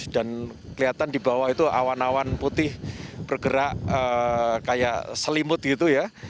dan kelihatan di bawah itu awan awan putih bergerak kayak selimut gitu ya